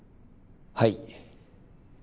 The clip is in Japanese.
はい。